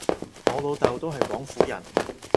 我老豆都係廣府人